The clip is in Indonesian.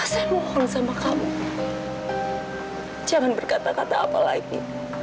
saya mohon sama kamu jangan berkata kata apa lagi